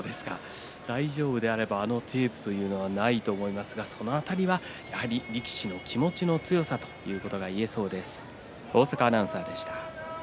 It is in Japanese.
大丈夫であればあのテープはないと思いますがその辺りは力士の気持ちの強さということが言えそうです。